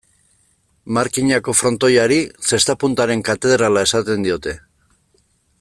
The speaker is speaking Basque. Markinako frontoiari, zesta-puntaren katedrala esaten diote.